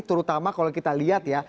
terutama kalau kita lihat ya